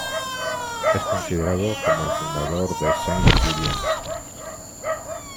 Es considerado como el fundador de Sainte-Julienne.